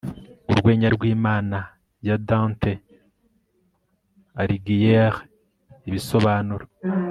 urwenya rw'imana ya dante alighieri (ibisobanuro